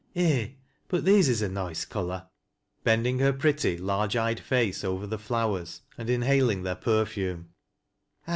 Eh 1 but these is a noice color," bending her pretty, large eyed face over the flowers, and inhaling their perfume ;" I w.'